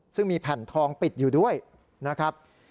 ซึ่งมีแผ่นทองปิดอยู่ด้วยนะครับ